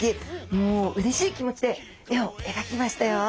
もううれしい気持ちで絵を描きましたよ。